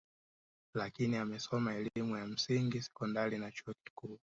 Lakini amesoma elimu ya msingi sekondari na chuo kikuu Tanzania